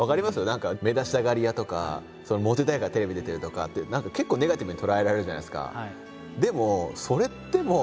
何か「目立ちたがり屋」とか「モテたいからテレビ出てる」とかって結構ネガティブに捉えられるじゃないですか。